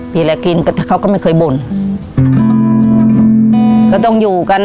มีอะไรกินแต่เขาก็ไม่เคยบ่นก็ต้องอยู่กัน